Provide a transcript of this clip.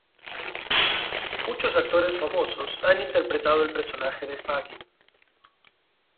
Muchos actores famosos han interpretado el personaje de Fagin.